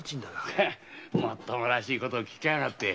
もっともらしいこと聞きやがって。